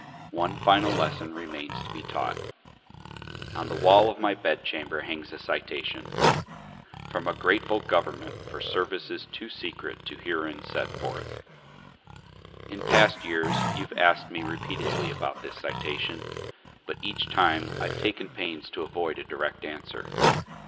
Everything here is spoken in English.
One final lesson remains to be taught. On the wall of my bedchamber hangs a citation "from a grateful government for services too secret to be herein set forth." In past years you have asked me repeatedly about this citation, but each time I have taken pains to avoid a direct answer.